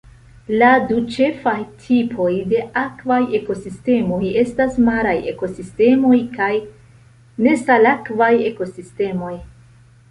La du ĉefaj tipoj de akvaj ekosistemoj estas maraj ekosistemoj kaj nesalakvaj ekosistemoj.